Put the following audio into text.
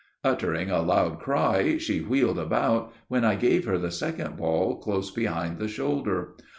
Uttering a loud cry, she wheeled about, when I gave her the second ball close behind the shoulder.